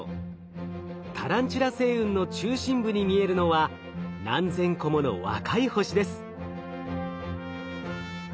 タランチュラ星雲の中心部に見えるのは何千個もの若い星です。